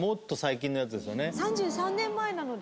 ３３年前なので。